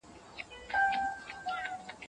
ماشومان باید د چاپیریال په اړه زده کړه وکړي.